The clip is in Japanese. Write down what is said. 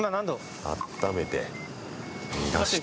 あっためて、逃がして。